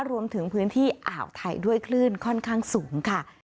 รวมถึงพื้นที่อ่าวไทยด้วยคลื่นค่อนข้างสูงค่ะ